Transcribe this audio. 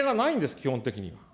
基本的には。